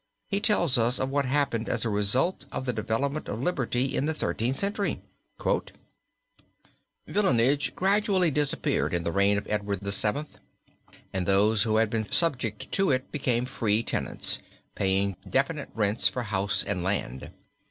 He tells us of what happened as a result of the development of liberty in the Thirteenth Century: "Villeinage gradually disappeared in the reign of Edward VII. (1327 1337), and those who had been subject to it became free tenants, paying definite rents for house and land.